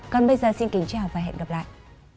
còn bây giờ xin kính chào và hẹn gặp lại